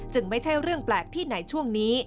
ไม่ใช่เรื่องแปลกที่ไหนช่วงนี้